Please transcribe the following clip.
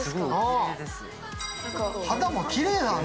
肌もきれいだね。